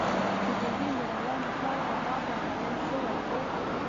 چې د هند د روانو چارو په باب رابلل شوی و.